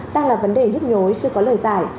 đang là vấn đề nhức nhối chưa có lời giải